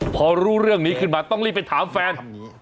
พอรู้เรื่องนี้ขึ้นมาต้องรีบไปถามแฟน